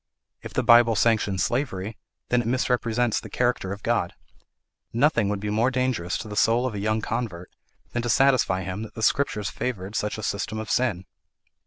If the Bible sanctions slavery, then it misrepresents the character of God. Nothing would be more dangerous to the soul of a young convert than to satisfy him that the Scriptures favoured such a system of sin."